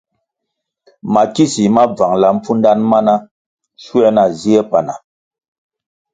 Mikisi ma bvangʼla mpfudanʼ mana shuē na zie panah.